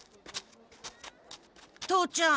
父ちゃん。